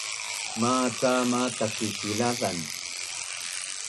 macam ma Takisilazan